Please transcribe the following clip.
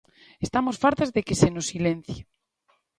Estamos fartas de que se nos silencie.